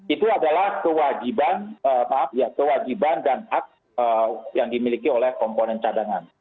itu adalah kewajiban dan hak yang dimiliki komponen cadangan